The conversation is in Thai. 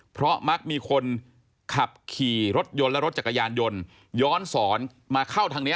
เพราะมักมีคนขับขี่รถยนต์และรถจักรยานยนต์ย้อนสอนมาเข้าทางนี้